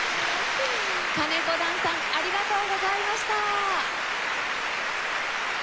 金子暖さんありがとうございました。